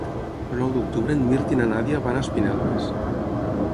El nou d'octubre en Mirt i na Nàdia van a Espinelves.